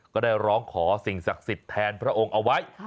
ก็ได้ร้องขอสิ่งศักดิ์สิทธิ์แทนพระองค์เอาไว้